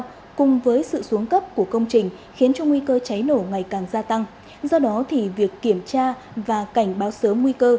nhưng sự xuống cấp của công trình khiến cho nguy cơ cháy nổ ngày càng gia tăng do đó thì việc kiểm tra và cảnh báo sớm nguy cơ